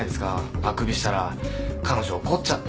あくびしたら彼女怒っちゃって。